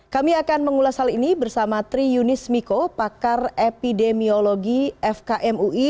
kami akan mengulas hal ini bersama tri yunis miko pakar epidemiologi fkmui